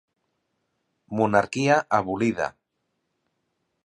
Monarquia abolida.